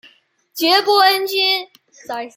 爵波恩君。